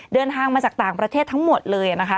เดินทางมาจากต่างประเทศทั้งหมดเลยนะคะ